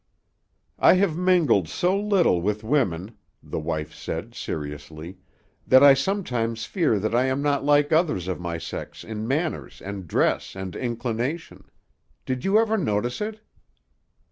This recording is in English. "I have mingled so little with women," the wife said seriously, "that I sometimes fear that I am not like others of my sex in manners and dress and inclination. Did you ever notice it?"